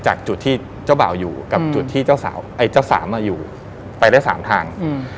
จากจุดที่เจ้าบ่าวอยู่กับจุดที่เจ้าสาวไอ้เจ้าสามอยู่ไปได้๓ทาง